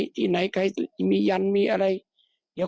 ก็เป็นเรื่องของความศรัทธาเป็นการสร้างขวัญและกำลังใจ